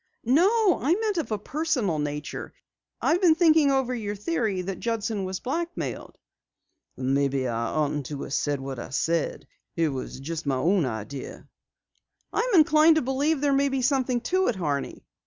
"No, I meant of a personal nature. I've been thinking over your theory that Judson was blackmailed." "Maybe I oughtn't to have said what I did. It was just my own idea." "I'm inclined to believe there may be something to it, Horney.